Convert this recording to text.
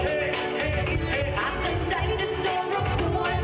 ก็คิดว่าช่วยหน่อยเกิดอะไรกัน